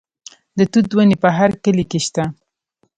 د توت ونې په هر کلي کې شته.